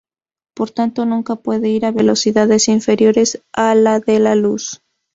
Por tanto, nunca puede ir a velocidades inferiores a la de la luz.